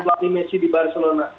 lohan meksiko di barcelona